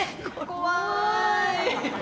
怖い。